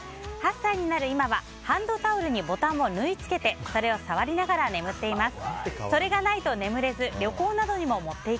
８歳になる今はハンドタオルにボタンを縫い付けてそれを触りながら眠っています。